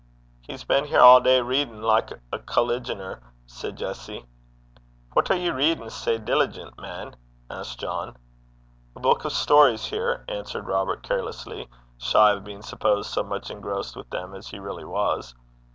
'He's been here a' day, readin' like a colliginer,' said Jessie. 'What are ye readin' sae eident (diligent), man?' asked John. 'A buik o' stories, here,' answered Robert, carelessly, shy of being supposed so much engrossed with them as he really was.